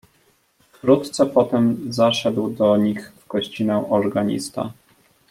"Wkrótce potem zaszedł do nich w gościnę organista."